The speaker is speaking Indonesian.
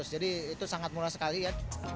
jadi itu sangat murah sekali ya